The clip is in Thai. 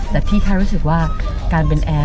แต่พี่แค่รู้สึกว่าการเป็นแอร์